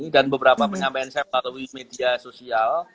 dan beberapa penyampaian saya melalui media sosial